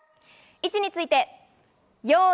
位置について、よい。